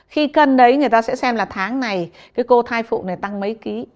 khi cân đấy người ta sẽ xem là tháng này cái cô thai phụ này tăng mấy ký